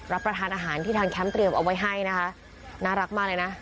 รับประทานอาหารที่ทางแคมป์เตรียมเอาไว้ให้นะคะน่ารักมากเลยนะ